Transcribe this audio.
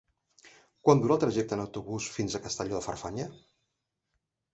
Quant dura el trajecte en autobús fins a Castelló de Farfanya?